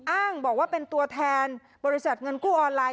อ้างบอกว่าเป็นตัวแทนบริษัทเงินกู้ออนไลน